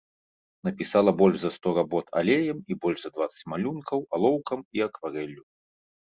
Напісала больш за сто работ алеем і больш за дваццаць малюнкаў алоўкам і акварэллю.